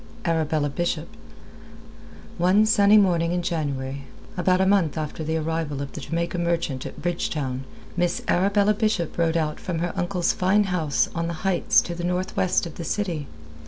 ARABELLA BISHOP One sunny morning in January, about a month after the arrival of the Jamaica Merchant at Bridgetown, Miss Arabella Bishop rode out from her uncle's fine house on the heights to the northwest of the city.